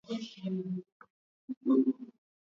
haswa ikizingatiwa kuwa ni mwaka wa siasa za urithi